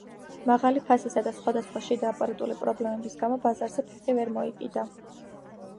მაღალი ფასისა და სხვადასხვა შიდა აპარატული პრობლემების გამო ბაზარზე ფეხი ვერ მოიკიდა.